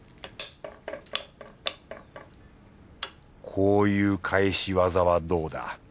こういう返し技はどうだ。